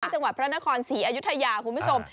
จังหวัดพระนครศรีอยุธยาคุณผู้ชม